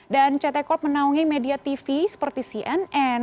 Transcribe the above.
dan ct corp menaungi media tv seperti cnn